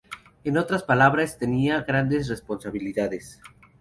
En otras palabras, tenía grandes responsabilidades.